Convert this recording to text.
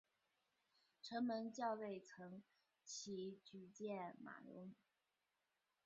城门校尉岑起举荐马融。